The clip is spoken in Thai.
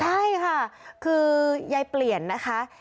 ใช่ค่ะคือยายเปลี่ยนนะคะ